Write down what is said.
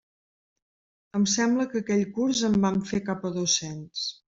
Em sembla que aquell curs en vam fer cap a dos-cents.